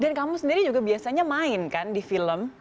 dan kamu sendiri juga biasanya main kan di film